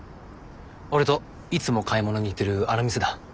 俺といつも買い物に行ってるあの店だ。